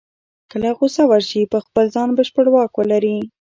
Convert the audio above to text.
کله غوسه ورشي په خپل ځان بشپړ واک ولري.